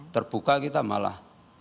terbuka kita malah